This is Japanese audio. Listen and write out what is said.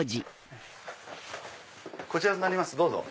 こちらになりますどうぞ。